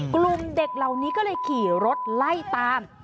กลุ่มเด็กเหล่านี้ก็เลยขี่รถไล่ตาม